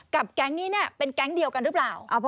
แก๊งนี้เป็นแก๊งเดียวกันหรือเปล่า